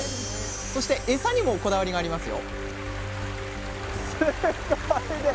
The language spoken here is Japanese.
そしてエサにもこだわりがありますよ